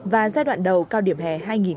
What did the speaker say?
và giai đoạn đầu cao điểm hè hai nghìn một mươi chín